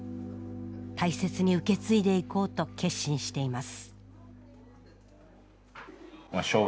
大切に受け継いでいこうと決心しています